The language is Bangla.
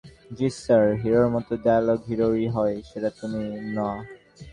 জী স্যার, হিরোর মত ডায়ালগ, হিরোরি হয়, যেটা তুমি না।